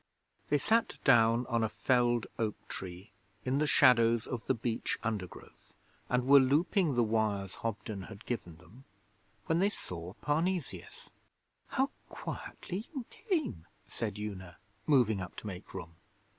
They sat down on a felled oak trunk in the shadows of the beech undergrowth, and were looping the wires Hobden had given them, when they saw Parnesius. 'How quietly you came!' said Una, moving up to make room.